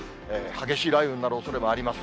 激しい雷雨になるおそれがあります。